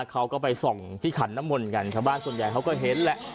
เขาก็ไปส่องที่ขันน้ำมนต์กันชาวบ้านส่วนใหญ่เขาก็เห็นแหละ